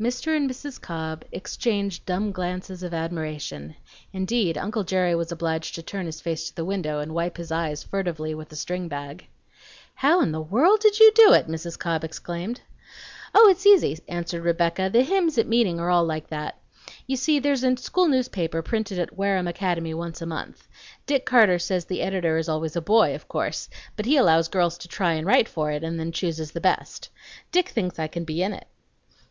Mr. and Mrs. Cobb exchanged dumb glances of admiration; indeed uncle Jerry was obliged to turn his face to the window and wipe his eyes furtively with the string bag. "How in the world did you do it?" Mrs. Cobb exclaimed. "Oh, it's easy," answered Rebecca; "the hymns at meeting are all like that. You see there's a school newspaper printed at Wareham Academy once a month. Dick Carter says the editor is always a boy, of course; but he allows girls to try and write for it, and then chooses the best. Dick thinks I can be in it."